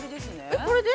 ◆これで？